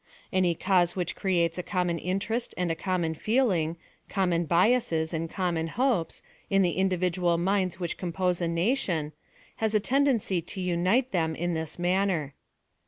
Any cause which creates a common interest and a common feeling, common biasses and common hopes, in the individual minds which com pose a nation, has a tendency to unite them in this manner.